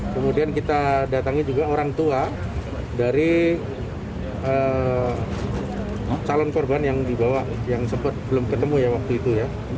kemudian kita datangi juga orang tua dari calon korban yang dibawa yang sempat belum ketemu ya waktu itu ya